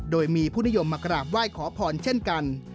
โดยมีผู้นิยมมากราบไหว้ขอพรเช่นกัน